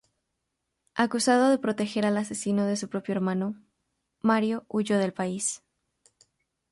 Acusado de proteger al asesino de su propio hermano, Mario huyó del país.